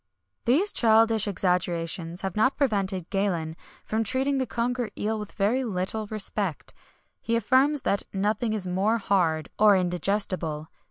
[XXI 116] These childish exaggerations have not prevented Galen from treating the conger eel with very little respect: he affirms, that nothing is more hard or indigestible.